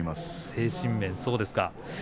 精神面、そうですか。